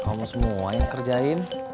kamu semua yang kerjain